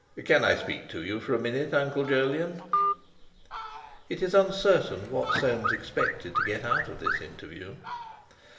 "Can I speak to you for a minute, Uncle Jolyon?" It is uncertain what Soames expected to get out of this interview.